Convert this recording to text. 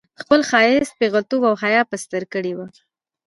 خپل ښايیت، پېغلتوب او حيا په ستر کړې وه